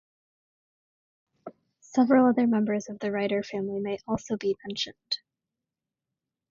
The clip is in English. Several other members of the Ryder family may also be mentioned.